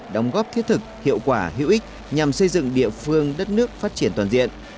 đóng góp thiết thực hiệu quả hữu ích nhằm xây dựng địa phương đất nước phát triển toàn diện